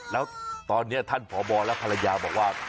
แล้วตอนนี้ท่านพบและภรรยาบอกว่า